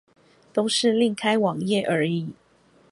都是另開網頁而已